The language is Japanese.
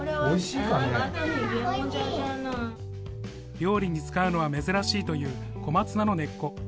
料理に使うのは珍しいという小松菜の根っこ。